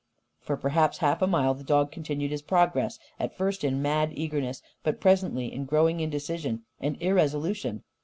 For perhaps half a mile the dog continued his progress, at first in mad eagerness, but presently in growing indecision and irresolution.